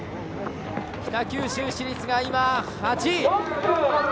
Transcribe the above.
北九州市立が今、８位。